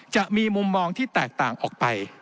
จะมีมุมมองที่แตกต่างออกไป